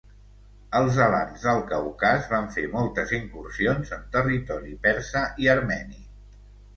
Els alans del Caucas van fer moltes incursions en territori persa i armeni.